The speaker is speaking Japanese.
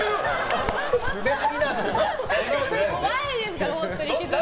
ないですから！